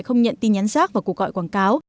không nhận tin nhắn rác vào cuộc gọi quảng cáo